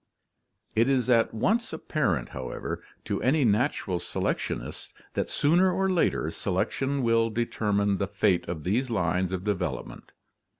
It is at once apparent, however, to any natural selectionist that sooner or later selection will determine the fate of these lines of develop ment.